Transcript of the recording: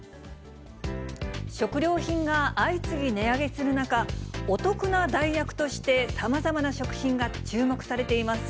食料品が相次ぎ値上げする中、お得な代役として、さまざまな食品が注目されています。